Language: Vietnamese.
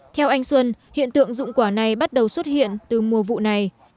theo anh xuân hiện tượng dụng quả này bắt đầu xuất hiện từ mùa vụ này